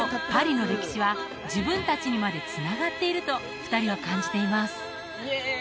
パリの歴史は自分達にまでつながっていると２人は感じています